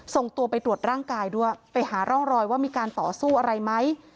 ส่งตัวไปตรวจร่างกายด้วยไปหาร่องรอยว่ามีการต่อสู้อะไรไหม